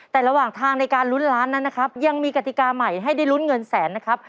แต่ระหว่างทางในการลุ้นล้านนั้นนะครับยังมีกติกาใหม่ให้ได้ลุ้นเงินแสนนะครับ